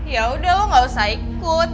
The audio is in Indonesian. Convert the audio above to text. yaudah lo gak usah ikut